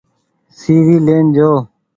سي وي لين جو۔